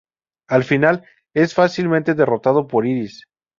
Al final, es fácilmente derrotado por Iris.